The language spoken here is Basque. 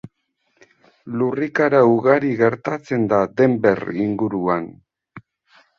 Lurrikara ugari gertatzen da Denver inguruan.